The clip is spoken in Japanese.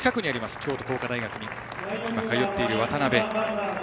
京都光華大学に通っている渡辺。